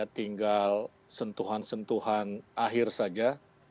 tinggal sentuhan sentuhan akhir saja